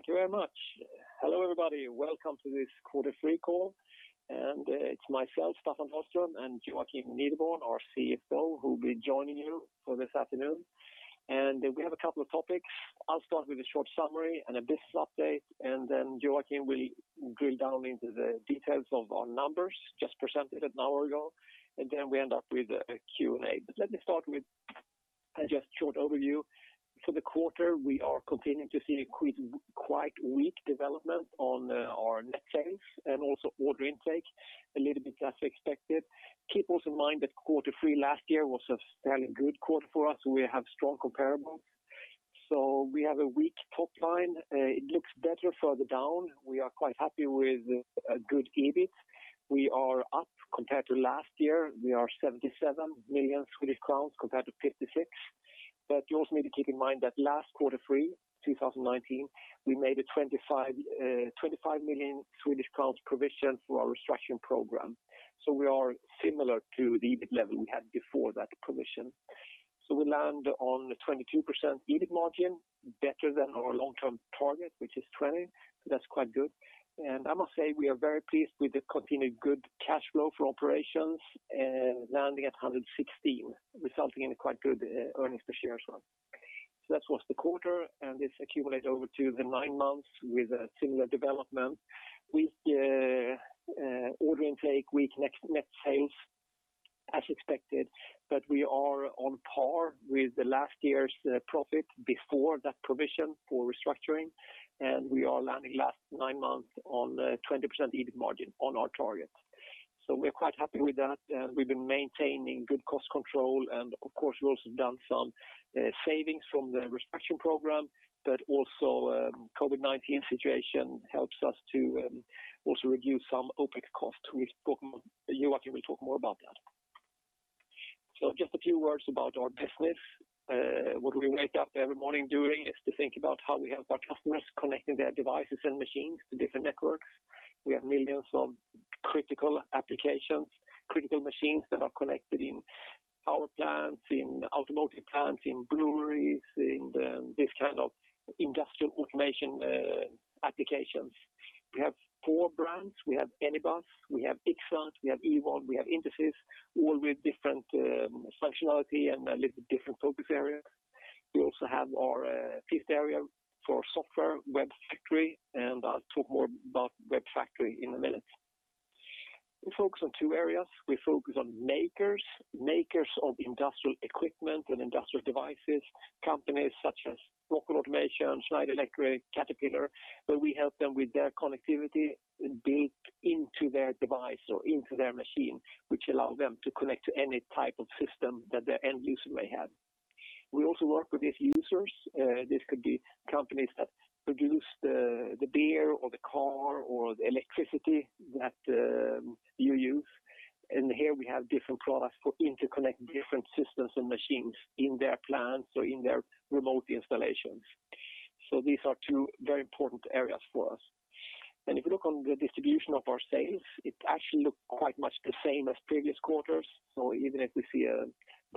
Thank you very much. Hello, everybody. Welcome to this quarter three call. It's myself, Staffan Dahlström, and Joakim Nideborn, our CFO, who will be joining you for this afternoon. We have a couple of topics. I'll start with a short summary and a business update, then Joakim will drill down into the details of our numbers just presented an hour ago. Then we end up with a Q&A. Let me start with just a short overview. For the quarter, we are continuing to see quite weak development on our net sales and also order intake, a little bit as expected. Keep also in mind that quarter three last year was a fairly good quarter for us. We have strong comparable. We have a weak top line. It looks better further down. We are quite happy with a good EBIT. We are up compared to last year. We are 77 million Swedish crowns compared to 56. You also need to keep in mind that last Q3 2019, we made a 25 million Swedish crowns provision for our restructuring program. We are similar to the EBIT level we had before that provision. We land on 22% EBIT margin, better than our long-term target, which is 20%. I must say, we are very pleased with the continued good cash flow for operations, landing at 116, resulting in a quite good earnings per share as well. That was the quarter, and this accumulates over to the nine months with a similar development. Weak order intake, weak net sales, as expected. We are on par with the last year's profit before that provision for restructuring. We are landing first nine months on 20% EBIT margin on our targets. We're quite happy with that. We've been maintaining good cost control, and of course, we've also done some savings from the restructuring program, but also COVID-19 situation helps us to also reduce some OpEx costs. Joakim will talk more about that. Just a few words about our business. What we wake up every morning doing is to think about how we help our customers connecting their devices and machines to different networks. We have millions of critical applications, critical machines that are connected in power plants, in automotive plants, in breweries, in this kind of industrial automation applications. We have four brands. We have Anybus, we have Ixxat, we have Ewon, we have Intesis, all with different functionality and a little different focus area. We also have our fifth area for software, WEBfactory. I'll talk more about WEBfactory in a minute. We focus on two areas. We focus on makers of industrial equipment and industrial devices, companies such as Rockwell Automation, Schneider Electric, Caterpillar, where we help them with their connectivity built into their device or into their machine, which allow them to connect to any type of system that their end user may have. We also work with these users. This could be companies that produce the beer or the car or the electricity that you use. Here we have different products for interconnecting different systems and machines in their plants or in their remote installations. These are two very important areas for us. If you look on the distribution of our sales, it actually looks quite much the same as previous quarters. Even if we see a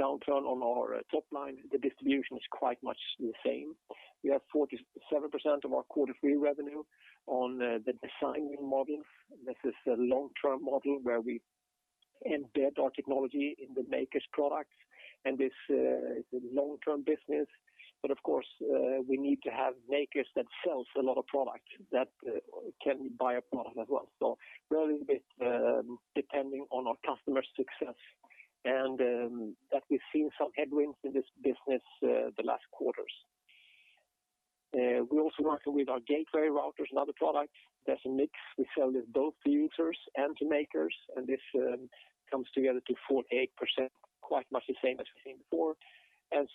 downturn on our top line, the distribution is quite much the same. We have 47% of our quarter three revenue on the design-win models. This is a long-term model where we embed our technology in the maker's products, this is a long-term business. Of course, we need to have makers that sell a lot of product that can buy a product as well. We are a little bit depending on our customers' success and that we've seen some headwinds in this business the last quarters. We also work with our gateway routers and other products. That's a mix. We sell this both to users and to makers, this comes together to 48%, quite much the same as we've seen before.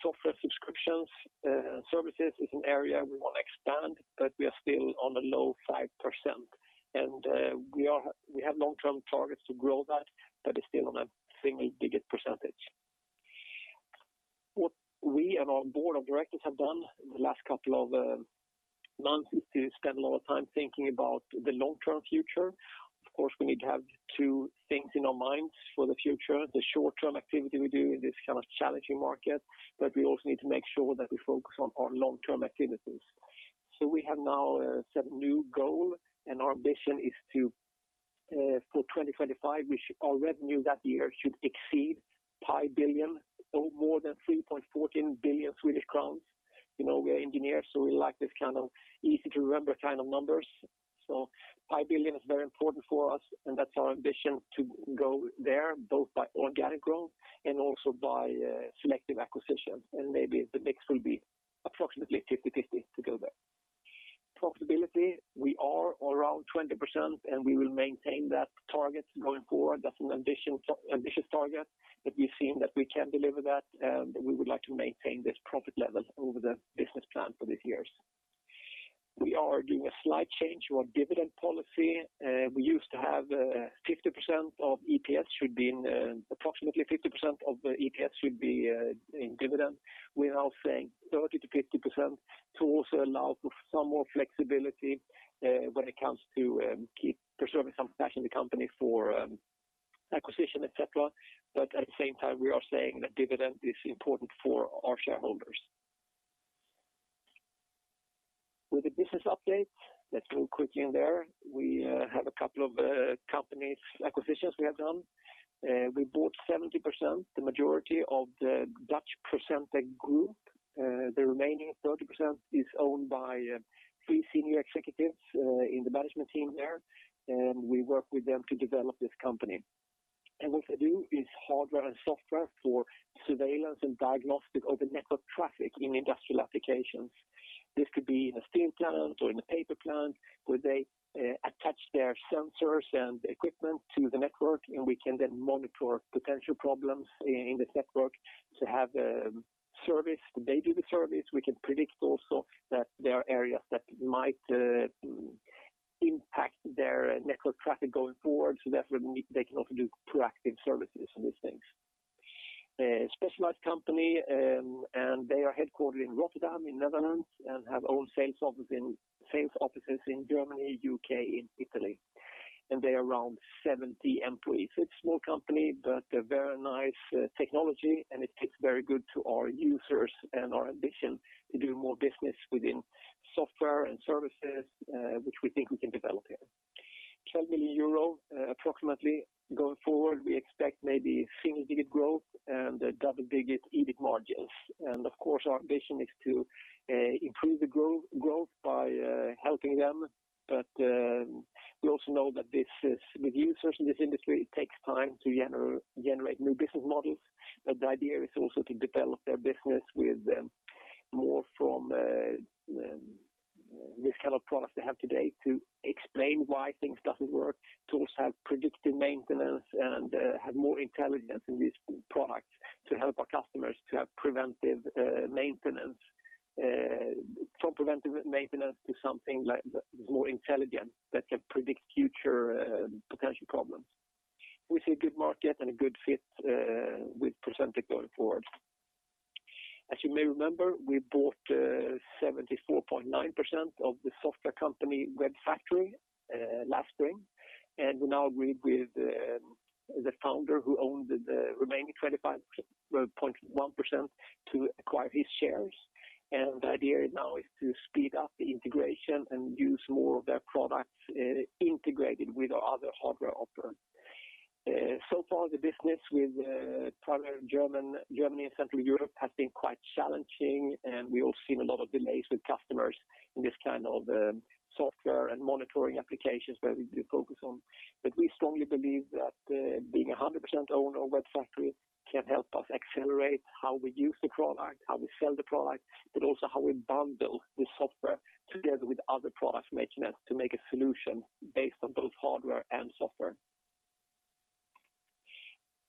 Software subscriptions and services is an area we want to expand, we are still on a low 5%. We have long-term targets to grow that, but it's still on a single-digit %. What we and our board of directors have done in the last couple of months is to spend a lot of time thinking about the long-term future. Of course, we need to have two things in our minds for the future, the short-term activity we do in this challenging market, but we also need to make sure that we focus on our long-term activities. We have now set a new goal, and our ambition is for 2025, our revenue that year should exceed 5 billion or more than 3.14 billion Swedish crowns. We are engineers, so we like this easy-to-remember kind of numbers. 5 billion is very important for us, and that's our ambition to go there, both by organic growth and also by selective acquisition. Maybe the mix will be approximately 50/50 to go there. Profitability, we are around 20%, and we will maintain that target going forward. That's an ambitious target, but we've seen that we can deliver that, and we would like to maintain this profit level over the business plan for these years. We are doing a slight change to our dividend policy. We used to have approximately 50% of EPS should be in dividend. We are now saying 30%-50% to also allow for some more flexibility when it comes to preserving some cash in the company for acquisition, et cetera. At the same time, we are saying that dividend is important for our shareholders. With the business updates, let's go quickly in there. We have a couple of companies acquisitions we have done. We bought 70%, the majority of the Dutch PROCENTEC group. The remaining 30% is owned by three senior executives in the management team there, and we work with them to develop this company. What they do is hardware and software for surveillance and diagnostic over network traffic in industrial applications. This could be in a steel plant or in a paper plant where they attach their sensors and equipment to the network, and we can then monitor potential problems in this network to have a service. They do the service. We can predict also that there are areas that might impact their network traffic going forward, so therefore they can also do proactive services on these things. A specialized company, they are headquartered in Rotterdam in Netherlands and have own sales offices in Germany, U.K., and Italy. They are around 70 employees. It's a small company, but a very nice technology, and it fits very good to our users and our ambition to do more business within software and services, which we think we can develop here. 12 million euro approximately. Going forward, we expect maybe single-digit growth and double-digit EBIT margins. Of course, our ambition is to improve the growth by helping them. We also know that with users in this industry, it takes time to generate new business models. The idea is also to develop their business with more from this kind of product they have today to explain why things don't work, to also have predictive maintenance and have more intelligence in these products to help our customers to have preventive maintenance. From preventive maintenance to something more intelligent that can predict future potential problems. We see a good market and a good fit with PROCENTEC going forward. As you may remember, we bought 74.9% of the software company WEBfactory last spring. We now agreed with the founder who owned the remaining 25.1% to acquire his shares. The idea now is to speed up the integration and use more of their products integrated with our other hardware offer. So far the business with primarily Germany and Central Europe has been quite challenging. We all seen a lot of delays with customers in this kind of software and monitoring applications where we do focus on. We strongly believe that being 100% owner of WEBfactory can help us accelerate how we use the product, how we sell the product, but also how we bundle the software together with other products from HMS to make a solution based on both hardware and software.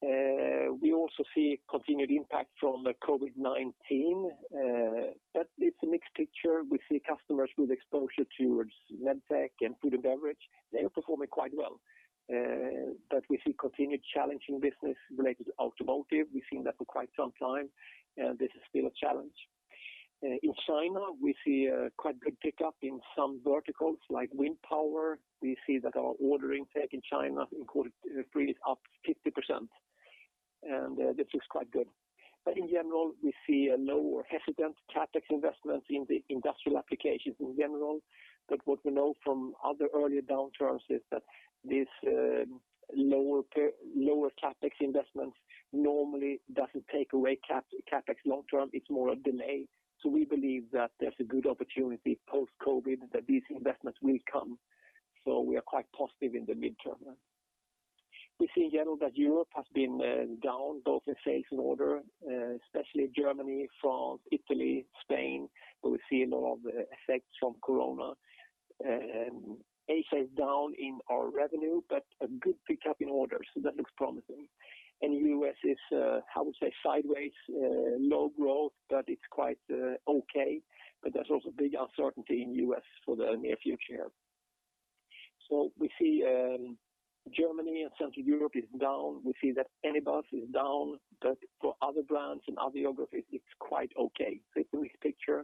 We also see continued impact from the COVID-19. It's a mixed picture. We see customers with exposure towards MedTech and food and beverage, they are performing quite well. We see continued challenging business related to automotive. We've seen that for quite some time. This is still a challenge. In China, we see a quite good pickup in some verticals like wind power. We see that our ordering tech in China in Q3 is up 50%. This looks quite good. In general, we see a lower hesitant CapEx investments in the industrial applications in general. What we know from other earlier downturns is that this lower CapEx investments normally doesn't take away CapEx long-term, it's more a delay. We believe that there's a good opportunity post-COVID that these investments will come. We are quite positive in the midterm. We see in general that Europe has been down both in sales and order, especially Germany, France, Italy, Spain, where we see a lot of the effects from COVID-19. Asia is down in our revenue, but a good pickup in orders, so that looks promising. U.S. is, I would say, sideways, low growth, but it's quite okay. There's also big uncertainty in U.S. for the near future. We see Germany and Central Europe is down. We see that Anybus is down, but for other brands and other geographies, it's quite okay. A mixed picture.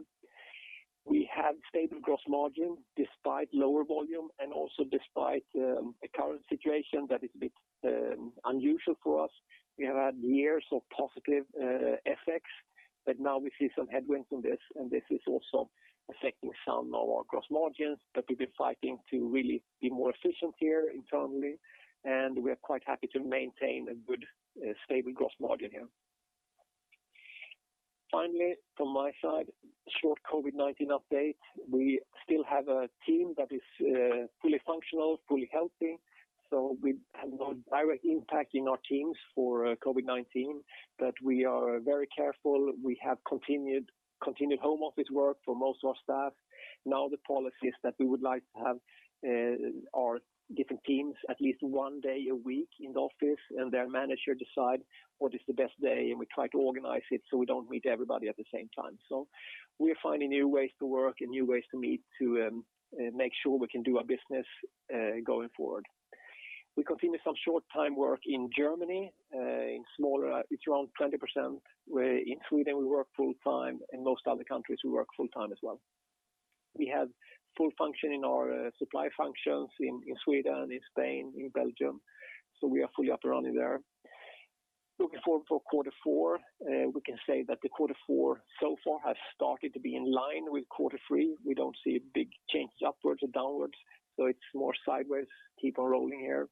We have stable gross margin despite lower volume and also despite a current situation that is a bit unusual for us. We have had years of positive effects, but now we see some headwinds on this, and this is also affecting some of our gross margins. We've been fighting to really be more efficient here internally, and we are quite happy to maintain a good, stable gross margin here. From my side, short COVID-19 update. We still have a team that is fully functional, fully healthy, so we have no direct impact in our teams for COVID-19, but we are very careful. We have continued home office work for most of our staff. The policy is that we would like to have our different teams at least one day a week in the office, and their manager decide what is the best day, and we try to organize it so we don't meet everybody at the same time. We are finding new ways to work and new ways to meet to make sure we can do our business going forward. We continue some short-time work in Germany. It's around 20%, where in Sweden we work full-time, and most other countries we work full-time as well. We have full function in our supply functions in Sweden, in Spain, in Belgium. We are fully up and running there. Looking forward for quarter four, we can say that the quarter four so far has started to be in line with quarter three. We don't see big changes upwards or downwards, so it's more sideways. Keep on rolling here.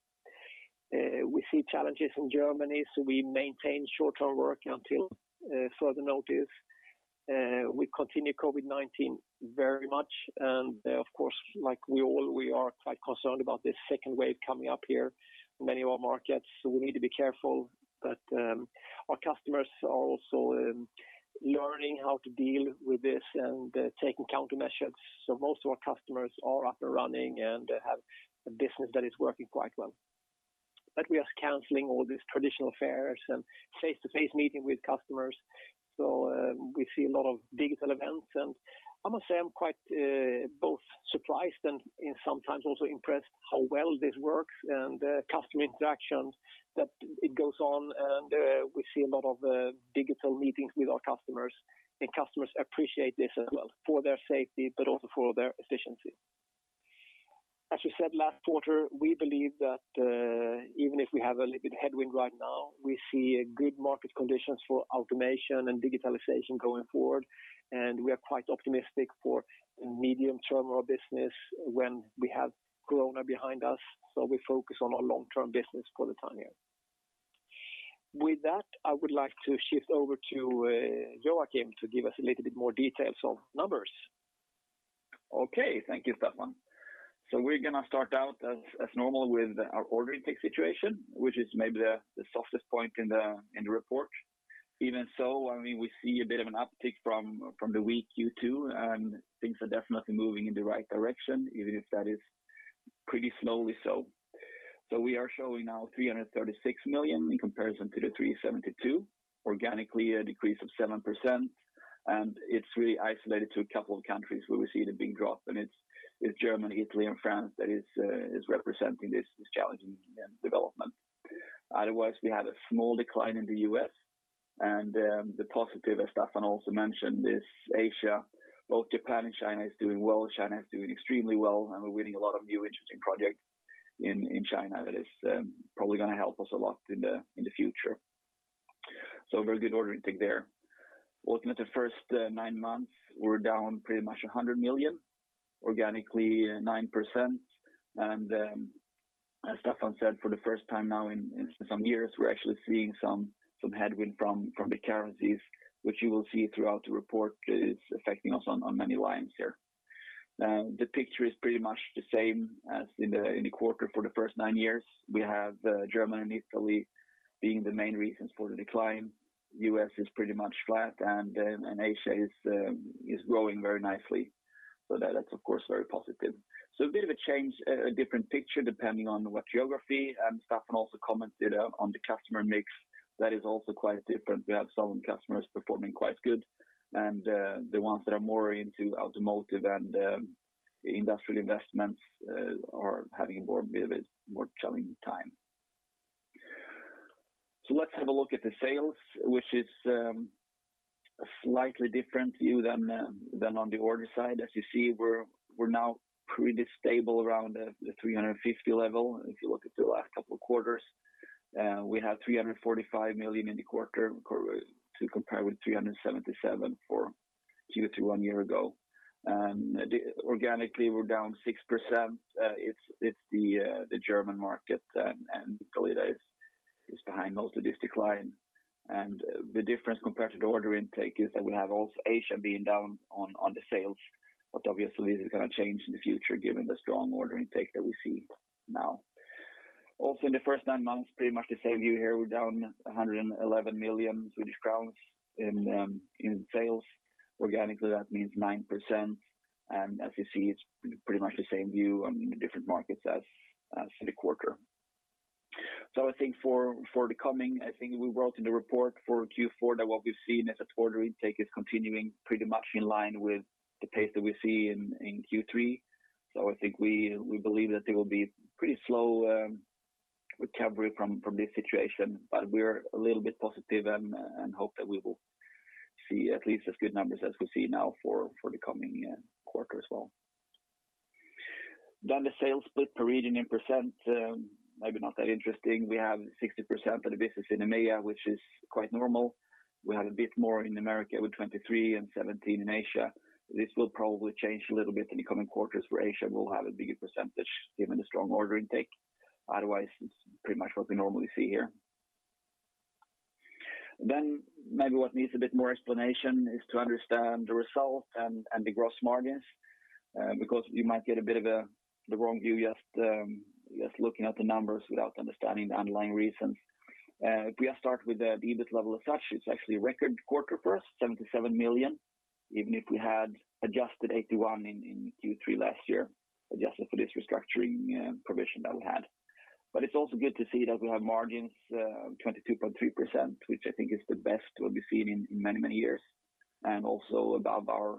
We see challenges in Germany, so we maintain short-term work until further notice. We continue COVID-19 very much, and of course, like we all, we are quite concerned about this second wave coming up here in many of our markets. We need to be careful, but our customers are also learning how to deal with this and taking countermeasures. Most of our customers are up and running and have a business that is working quite well. We are canceling all these traditional fairs and face-to-face meeting with customers. We see a lot of digital events, and I must say, I'm quite both surprised and sometimes also impressed how well this works and the customer interactions that it goes on. We see a lot of digital meetings with our customers, and customers appreciate this as well for their safety, but also for their efficiency. As we said last quarter, we believe that, even if we have a little bit headwind right now, we see a good market conditions for automation and digitalization going forward. We are quite optimistic for medium term of business when we have corona behind us. We focus on our long-term business for the time here. With that, I would like to shift over to Joakim to give us a little bit more details of numbers. Okay. Thank you, Staffan. We're going to start out as normal with our order intake situation, which is maybe the softest point in the report. We see a bit of an uptick from the weak Q2, and things are definitely moving in the right direction, even if that is pretty slowly so. We are showing now 336 million in comparison to 372 million, organically, a decrease of 7%. It's really isolated to a couple of countries where we see the big drop, Germany, Italy, and France, that is representing this challenging development. Otherwise, we have a small decline in the U.S., and the positive, as Staffan also mentioned, is Asia. Both Japan and China is doing well. China is doing extremely well. We're winning a lot of new interesting projects in China that is probably going to help us a lot in the future. A very good order intake there. Looking at the first nine months, we're down pretty much 100 million, organically 9%. As Staffan said, for the first time now in some years, we're actually seeing some headwind from the currencies, which you will see throughout the report is affecting us on many lines here. The picture is pretty much the same as in the quarter for the first nine months. We have Germany and Italy being the main reasons for the decline. U.S. is pretty much flat, and Asia is growing very nicely. That's of course very positive. A bit of a change, a different picture depending on what geography and Staffan also commented on the customer mix. That is also quite different. We have some customers performing quite good, and the ones that are more into automotive and industrial investments are having a bit of a more challenging time. Let's have a look at the sales, which is a slightly different view than on the order side. As you see, we're now pretty stable around the 350 level. If you look at the last couple of quarters, we have 345 million in the quarter to compare with 377 million for Q2 one year ago. Organically, we're down 6%. It's the German market and Italy that is behind most of this decline. The difference compared to the order intake is that we have also Asia being down on the sales, but obviously, this is going to change in the future given the strong order intake that we see now. In the first nine months, pretty much the same view here. We're down 111 million Swedish crowns in sales. Organically, that means 9%. As you see, it's pretty much the same view on the different markets as for the quarter. I think for the coming, I think we wrote in the report for Q4 that what we've seen as an order intake is continuing pretty much in line with the pace that we see in Q3. I think we believe that there will be pretty slow recovery from this situation, but we're a little bit positive and hope that we will see at least as good numbers as we see now for the coming quarter as well. The sales split per region in percent, maybe not that interesting. We have 60% of the business in EMEA, which is quite normal. We have a bit more in America, with 23% and 17% in Asia. This will probably change a little bit in the coming quarters, where Asia will have a bigger percentage given the strong order intake. It's pretty much what we normally see here. Maybe what needs a bit more explanation is to understand the result and the gross margins, because you might get a bit of the wrong view just looking at the numbers without understanding the underlying reasons. If we start with the EBIT level as such, it's actually a record quarter for us, 77 million, even if we had adjusted 81 million in Q3 last year, adjusted for this restructuring provision that we had. It's also good to see that we have margins, 22.3%, which I think is the best we'll be seeing in many years, and also above our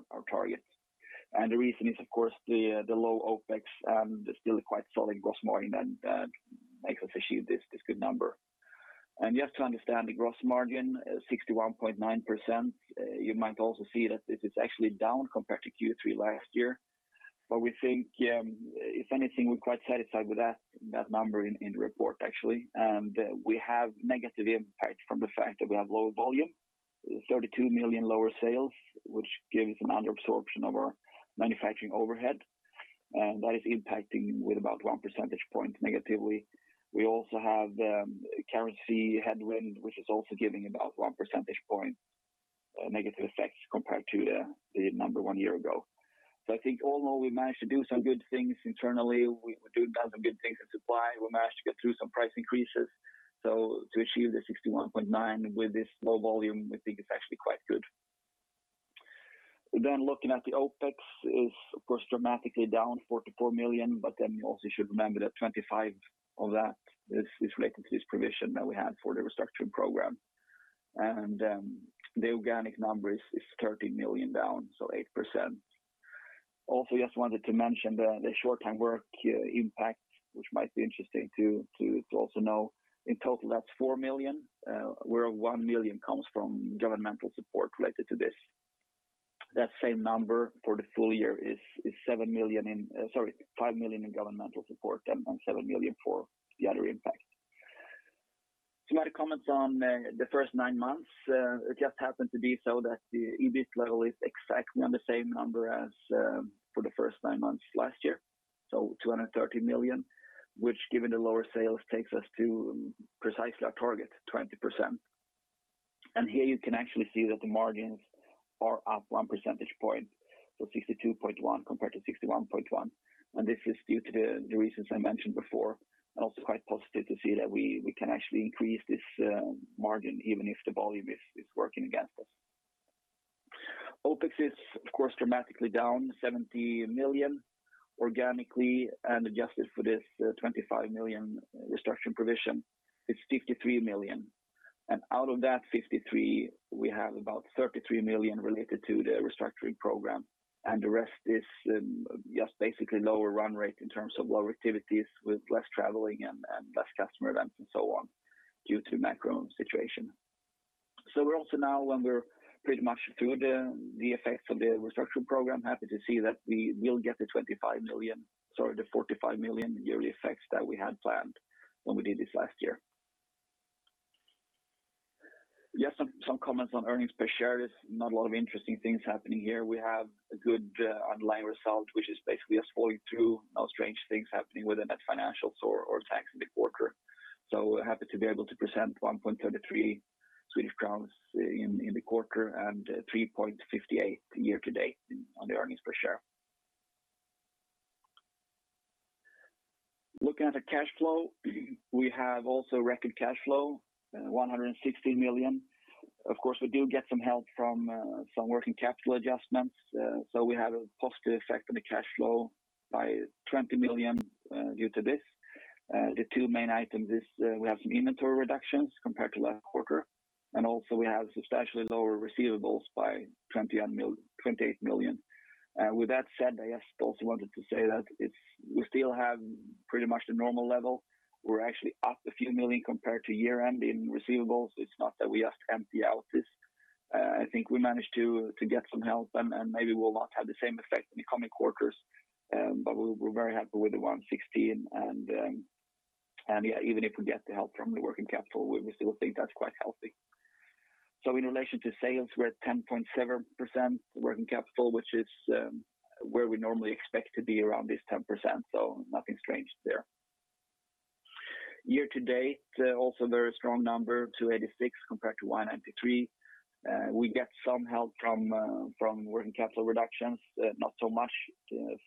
target. The reason is, of course, the low OpEx and the still quite solid gross margin that makes us achieve this good number. Just to understand, the gross margin is 61.9%. You might also see that this is actually down compared to Q3 last year. We think, if anything, we're quite satisfied with that number in the report, actually. We have negative impact from the fact that we have lower volume, 32 million lower sales, which gives an under absorption of our manufacturing overhead, and that is impacting with about one percentage point negatively. We also have the currency headwind, which is also giving about one percentage point negative effect compared to the number one year ago. I think, although we managed to do some good things internally, we're doing good things in supply. We managed to get through some price increases. To achieve the 61.9 with this low volume, we think it's actually quite good. Looking at the OpEx is, of course, dramatically down 44 million. You also should remember that 25 of that is related to this provision that we had for the restructuring program. The organic number is 13 million down, 8%. Also, just wanted to mention the short- time work impact, which might be interesting to also know. In total, that's 4 million, where 1 million comes from governmental support related to this. That same number for the full year is 7 million, 5 million in governmental support and 7 million for the other impact. Some other comments on the first nine months. It just happened to be so that the EBIT level is exactly on the same number as for the first nine months last year. 230 million, which, given the lower sales, takes us to precisely our target, 20%. Here you can actually see that the margins are up one percentage point, so 62.1 compared to 61.1. This is due to the reasons I mentioned before, and also quite positive to see that we can actually increase this margin even if the volume is working against us. OpEx is, of course, dramatically down 70 million organically, and adjusted for this 25 million restructuring provision, it's 53 million. Out of that 53 million, we have about 33 million related to the restructuring program, and the rest is just basically lower run rate in terms of lower activities with less traveling and less customer events and so on, due to macro situation. We're also now when we're pretty much through the effects of the restructuring program, happy to see that we will get the 25 million, sorry, the 45 million yearly effects that we had planned when we did this last year. Just some comments on earnings per share. There's not a lot of interesting things happening here. We have a good underlying result, which is basically us following through no strange things happening within that financials or tax in the quarter. We're happy to be able to present 1.33 Swedish crowns in the quarter and 3.58 year to date on the earnings per share. Looking at the cash flow, we have also record cash flow, 116 million. Of course, we do get some help from some working capital adjustments. We have a positive effect on the cash flow by 20 million due to this. The two main items is we have some inventory reductions compared to last quarter, and also we have substantially lower receivables by 28 million. With that said, I just also wanted to say that we still have pretty much the normal level. We're actually up a few million compared to year-end in receivables. It's not that we just empty out this. I think we managed to get some help and maybe we'll not have the same effect in the coming quarters. We're very happy with the 116. Yeah, even if we get the help from the working capital, we still think that's quite healthy. In relation to sales, we're at 10.7% working capital, which is where we normally expect to be around this 10%. Nothing strange there. Year-to-date, also very strong number, 286 compared to 193. We get some help from working capital reductions, not so much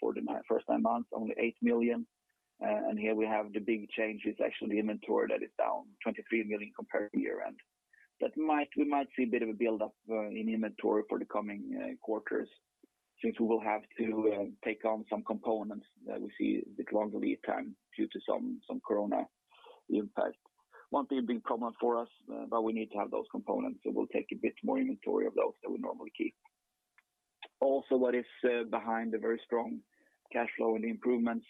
for the first nine months, only 8 million. Here we have the big change is actually inventory that is down 23 million compared to year-end. We might see a bit of a buildup in inventory for the coming quarters since we will have to take on some components that we see with longer lead time due to some COVID-19 impact. Won't be a big problem for us, but we need to have those components, so we'll take a bit more inventory of those than we normally keep. What is behind the very strong cash flow and the improvements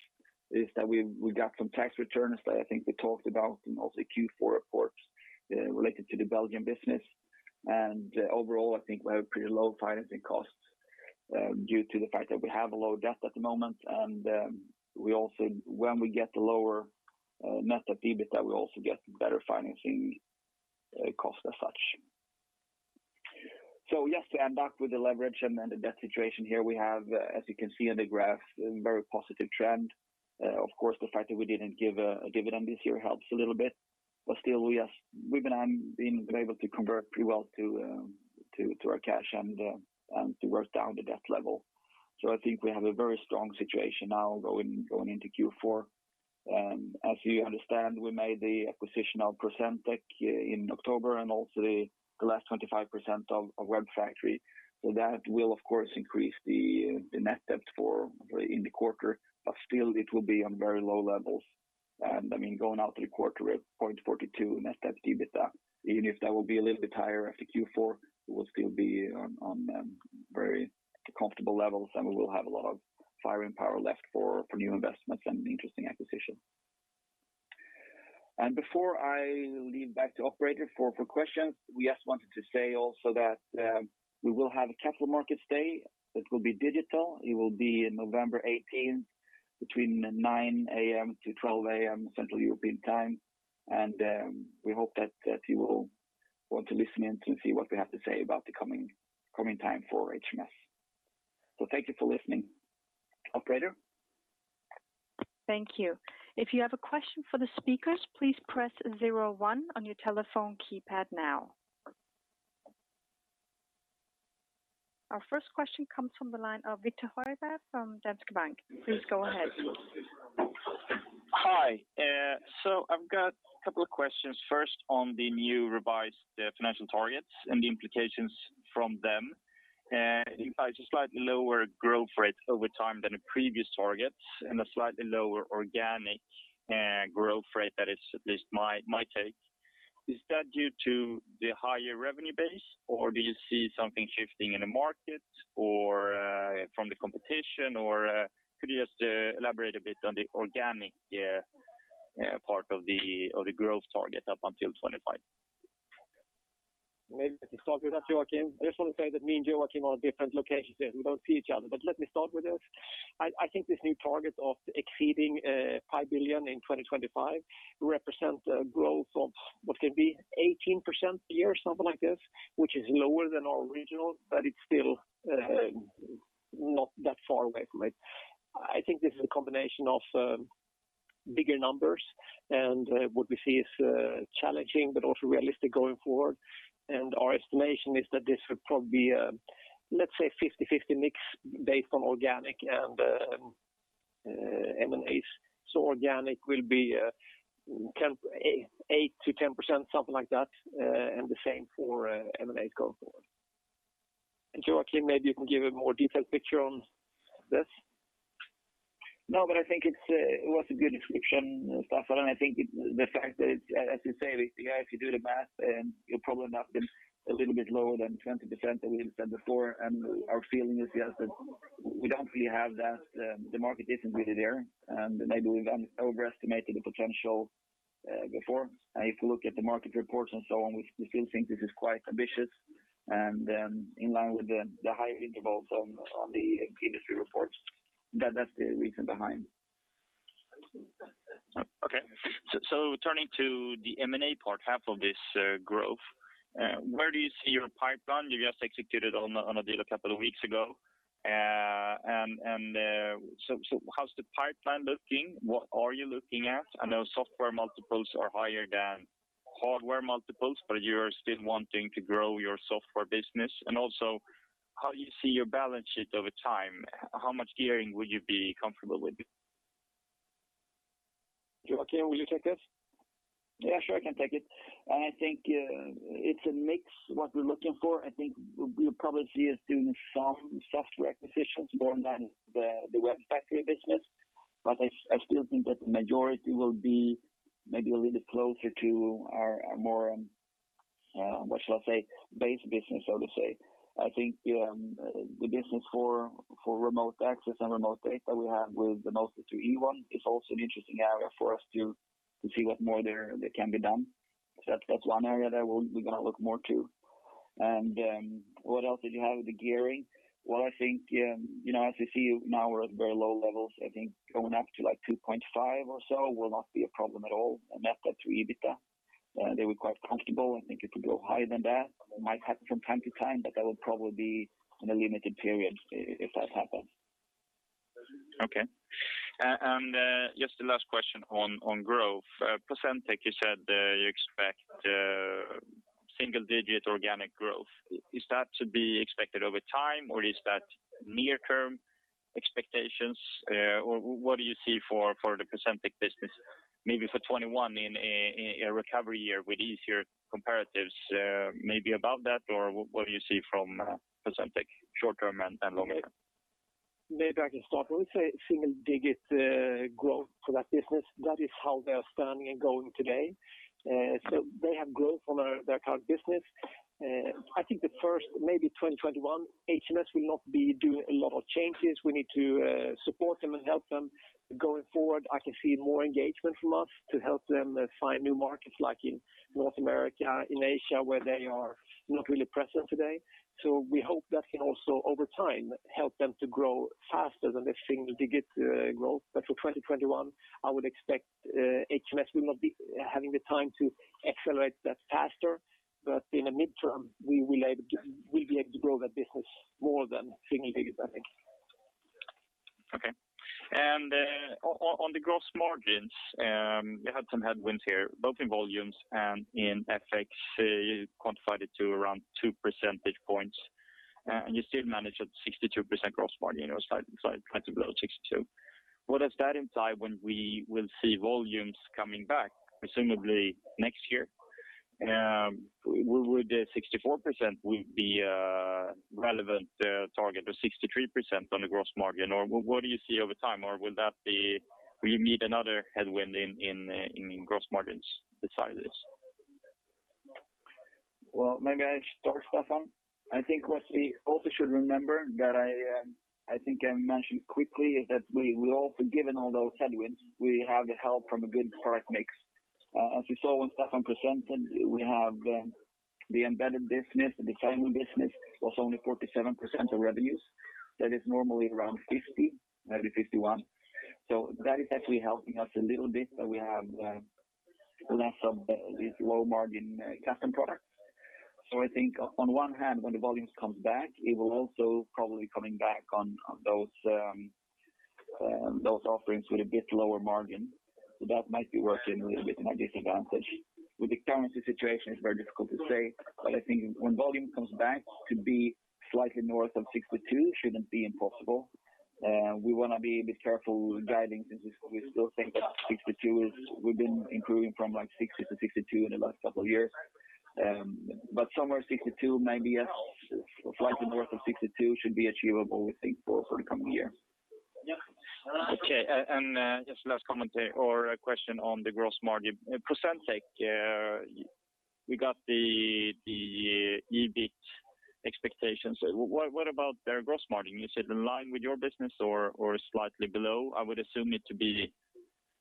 is that we got some tax returns that I think we talked about in also Q4 reports related to the Belgian business. Overall, I think we have pretty low financing costs due to the fact that we have a low debt at the moment. When we get the lower net debt to EBITDA, we also get better financing costs as such. Yes, to end up with the leverage and the debt situation here we have, as you can see in the graph, a very positive trend. Of course, the fact that we didn't give a dividend this year helps a little bit. Still, we've been able to convert pretty well to our cash and to work down the debt level. I think we have a very strong situation now going into Q4. As you understand, we made the acquisition of PROCENTEC in October and also the last 25% of WEBfactory. That will of course increase the net debt in the quarter, but still it will be on very low levels, going out to the quarter at 0.42 net debt to EBITDA. Even if that will be a little bit higher for Q4, we will still be on very comfortable levels, and we will have a lot of firing power left for new investments and interesting acquisitions. Before I leave back to operator for questions, we just wanted to say also that we will have a capital market day that will be digital. It will be on November 18, between 9:00 AM to 12:00 AM Central European time. We hope that you will want to listen in to see what we have to say about the coming time for HMS. Thank you for listening. Operator? Thank you. If you have a question for the speakers, please press one on your telephone keypad now. Our first question comes from the line of Viktor Högberg from Danske Bank. Please go ahead. Hi. I've got a couple of questions. First, on the new revised financial targets and the implications from them. It implies a slightly lower growth rate over time than the previous targets and a slightly lower organic growth rate. That is at least my take. Is that due to the higher revenue base, or do you see something shifting in the market or from the competition, or could you just elaborate a bit on the organic part of the growth target up until 2025? Maybe I can start with that, Joakim. I just want to say that me and Joakim are in different locations, so we don't see each other. Let me start with this. I think this new target of exceeding 5 billion in 2025 represents a growth of what could be 18% a year, something like this, which is lower than our original, but it's still not that far away from it. I think this is a combination of bigger numbers and what we see is challenging, but also realistic going forward. Our estimation is that this would probably be, let's say, 50/50 mix based on organic and M&As. Organic will be 8%-10%, something like that, and the same for M&A going forward. Joakim, maybe you can give a more detailed picture on this. No, I think it was a good description, Staffan. I think the fact that, as you say, if you do the math, you're probably not a little bit lower than 20% that we have said before, and our feeling is, yes, that we don't really have that. The market isn't really there, and maybe we've overestimated the potential before. If you look at the market reports and so on, we still think this is quite ambitious and in line with the higher intervals on the industry reports. That's the reason behind. Okay. Turning to the M&A part, half of this growth, where do you see your pipeline? You just executed on a deal a couple of weeks ago. How's the pipeline looking? What are you looking at? I know software multiples are higher than hardware multiples, but you're still wanting to grow your software business. Also, how you see your balance sheet over time? How much gearing would you be comfortable with? Joakim, will you take this? Yeah, sure. I can take it. I think it's a mix, what we're looking for. I think what we'll probably see is doing some software acquisitions more than the WEBfactory business. I still think that the majority will be maybe a little closer to our more, what shall I say, base business, so to say. I think the business for remote access and remote data we have with mostly through Ewon, is also an interesting area for us to see what more there can be done. That's one area that we're going to look more to. What else did you have? The gearing. Well, I think, as you see now, we're at very low levels. I think going up to 2.5 or so will not be a problem at all. That's through EBITDA. They were quite comfortable. I think it could go higher than that. It might happen from time to time, but that would probably be in a limited period if that happens. Okay. Just the last question on growth. PROCENTEC, you said you expect single-digit organic growth. Is that to be expected over time, or is that near-term expectations? What do you see for the PROCENTEC business? Maybe for 2021, in a recovery year with easier comparatives, maybe above that, or what do you see from PROCENTEC short term and longer term? Maybe I can start. I would say single-digit growth for that business. That is how they are standing and going today. They have growth on their current business. I think that first, maybe 2021, HMS will not be doing a lot of changes. We need to support them and help them. Going forward, I can see more engagement from us to help them find new markets, like in North America, in Asia, where they are not really present today. We hope that can also, over time, help them to grow faster than the single-digit growth. For 2021, I would expect HMS will not be having the time to accelerate that faster. In the midterm, we will be able to grow that business more than single digits, I think. Okay. On the gross margins, you had some headwinds here, both in volumes and in FX. You quantified it to around two percentage points; you still managed at 62% gross margin, or slightly below 62. What does that imply when we will see volumes coming back, presumably next year? Would the 64% be a relevant target or 63% on the gross margin? What do you see over time? Will you meet another headwind in gross margins besides this? Maybe I start, Staffan. I think what we also should remember, that I think I mentioned quickly, is that we all, given all those headwinds, we have the help from a good product mix. As we saw when Staffan presented, we have the embedded business; the design-win business was only 47% of revenues. That is normally around 50%, maybe 51%. That is actually helping us a little bit, but we have less of these low-margin custom products. I think on one hand, when the volumes come back, it will also probably coming back on those offerings with a bit lower margin. That might be working a little bit in our disadvantage. With the currency situation, it's very difficult to say, but I think when volume comes back to be slightly north of 62%, shouldn't be impossible. We want to be a bit careful guiding since we still think that 62%. We've been improving from like 60% to 62% in the last couple of years. Somewhere 62%, maybe a slightly north of 62% should be achievable, we think, for the coming year. Okay. Just last comment or a question on the gross margin. PROCENTEC, we got the EBIT expectations. What about their gross margin? Is it in line with your business or slightly below? I would assume it to be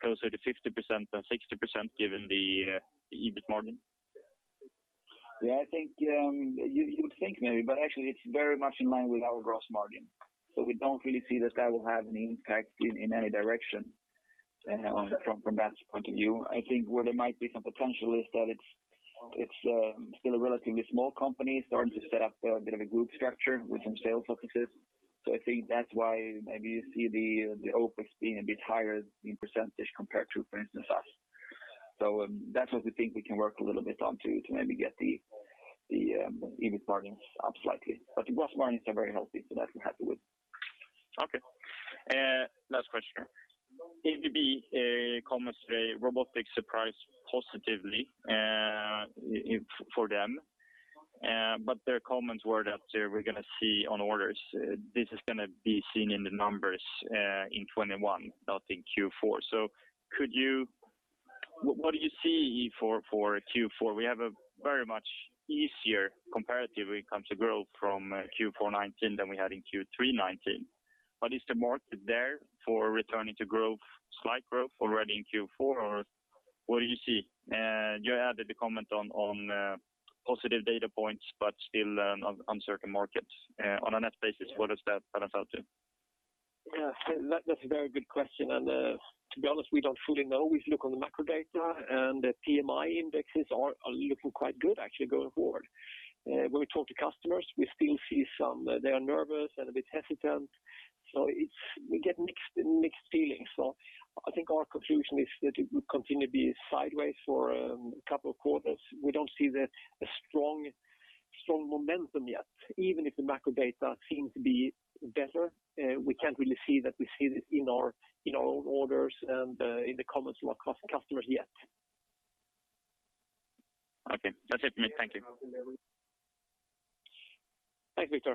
closer to 50% than 60% given the EBIT margin. Yeah, you would think maybe, but actually, it's very much in line with our gross margin. We don't really see that will have any impact in any direction from that point of view. I think where there might be some potential is that it's still a relatively small company starting to set up a bit of a group structure with some sales offices. I think that's why maybe you see the OpEx being a bit higher in percentage compared to, for instance, us. That's what we think we can work a little bit on to maybe get the EBIT margins up slightly. But the gross margins are very healthy, so that we're happy with. Okay. Last question. ABB comments robotics surprise positively for them. Their comments were that we're going to see on orders. This is going to be seen in the numbers in 2021, not in Q4. What do you see for Q4? We have a very much easier comparatively when it comes to growth from Q4 2019 than we had in Q3 2019. Is the market there for returning to growth, slight growth already in Q4, or what do you see? You added a comment on positive data points, but still uncertain markets. On a net basis, what does that add up to? Yeah, that's a very good question. To be honest, we don't fully know. We look on the macro data, the PMI indexes are looking quite good actually going forward. When we talk to customers, we still see they are nervous and a bit hesitant. We get mixed feelings. I think our conclusion is that it will continue to be sideways for a couple of quarters. We don't see the strong momentum yet, even if the macro data seem to be better. We can't really see that we see it in our orders and in the comments from our customers yet. Okay. That's it for me. Thank you.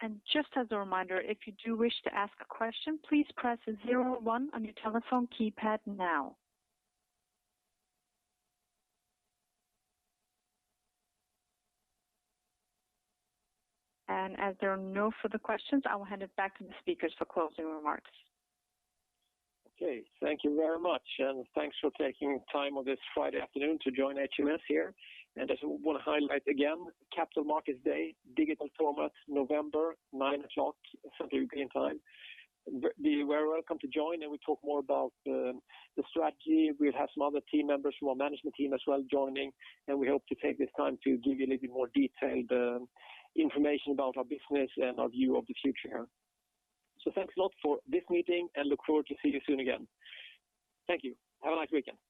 Thanks, Viktor. Just as a reminder, if you do wish to ask a question, please press zero one on your telephone keypad now. As there are no further questions, I will hand it back to the speakers for closing remarks. Okay. Thank you very much. Thanks for taking time on this Friday afternoon to join HMS here. I just want to highlight again, Capital Markets Day, digital format, November, 9:00 Central European time. Be very welcome to join, and we talk more about the strategy. We'll have some other team members from our management team as well joining, and we hope to take this time to give you a little bit more detailed information about our business and our view of the future. Thanks a lot for this meeting and look forward to see you soon again. Thank you. Have a nice weekend.